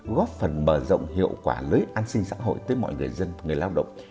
góp phần mở rộng hiệu quả lưới an sinh xã hội tới mọi người dân người lao động